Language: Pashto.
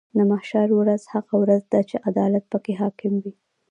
د محشر ورځ هغه ورځ ده چې عدالت به پکې حاکم وي .